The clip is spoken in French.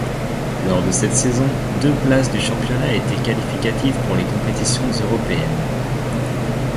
Lors de cette saison, deux places du championnat étaient qualificatives pour les compétitions européennes.